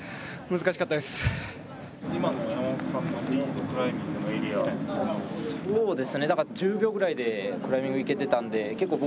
難しかったです。